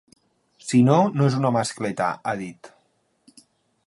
Si no, no és una ‘mascletà’, ha dit.